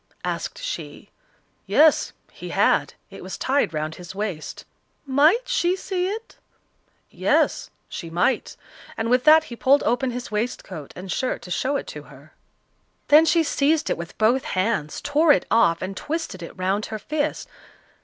asked she. "Yes" he had. It was tied round his waist. "Might she see it?" "Yes" she might; and with that he pulled open his waistcoat and shirt to show it to her. Then she seized it with both hands, tore it off, and twisted it round her fist.